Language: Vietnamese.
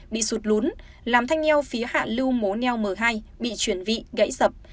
bị sụt lún làm thanh neo phía hạ lưu mố neo m hai bị chuyển vị gãy sập